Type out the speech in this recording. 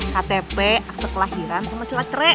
ktp akte kelahiran sama curah krek